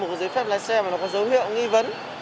có giấy phép lái xe mà nó có dấu hiệu nghi vấn